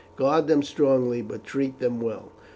Guard them strongly, but treat them well.